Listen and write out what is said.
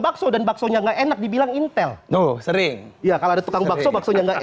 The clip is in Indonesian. bakso dan baksonya enggak enak dibilang intel no sering ya kalau ada tukang bakso baksonya enggak